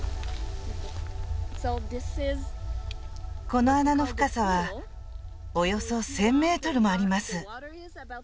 この穴の深さはおよそ１０００ｍもあります